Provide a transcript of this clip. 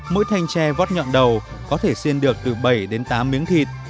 mỗi thanh tre vót nhọn đầu có thể xiên được từ bảy đến tám miếng thịt